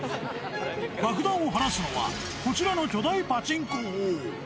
爆弾を放つのはこちらの巨大パチンコ砲。